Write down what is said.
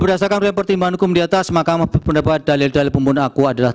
berdasarkan pertimbangan hukum di atas maka pendapat dalil dalil pembun aku adalah